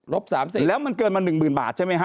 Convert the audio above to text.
ลบ๓๐บาทแล้วมันเกินมา๑หมื่นบาทใช่ไหมฮะ